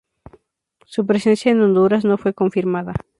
Su presencia en Honduras no fue confirmada.